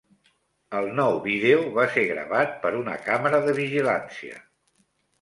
El nou vídeo va ser gravat per una càmera de vigilància